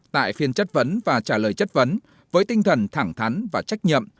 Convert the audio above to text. tại phiên chất vấn và trả lời chất vấn với tinh thần thẳng thắn và trách nhiệm